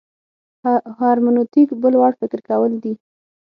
هرمنوتیک بل وړ فکر کول دي.